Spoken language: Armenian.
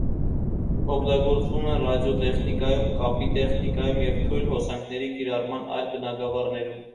Օգտագործվում են ռադիոտեխնիկայում, կապի տեխնիկայում և թույլ հոսանքների կիրառման այլ բնագավառներում։